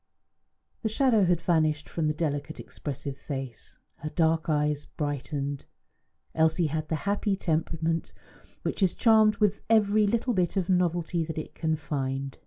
The shadow had vanished from the delicate expressive face; the dark eyes had brightened. Elsie had the happy temperament which is charmed with every little bit of novelty that it can find.